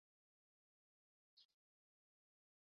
The new editor was Nigel Curson.